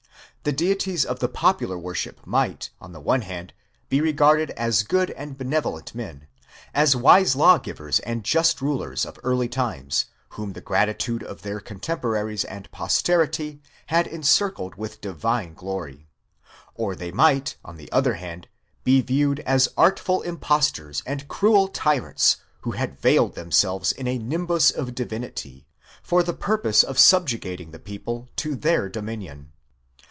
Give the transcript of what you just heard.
The deities of the popular worship might, on the one hand, be regarded as good and benevolent men; as wise lawgivers, and just rulers, of early times, whom the gratitude of their contemporaries and posterity had encircled with divine glory; or they might, on the other hand, be viewed as artful impostors and cruel tyrants, who had veiled themselves in a nimbus of divinity, for the purpose of subjugating the people to their domin ion.